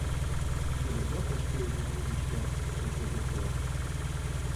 J'irais bien t'acheter les journaux du soir, répétait Pierre.